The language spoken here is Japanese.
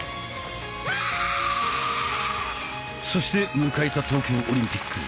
そして迎えた東京オリンピック。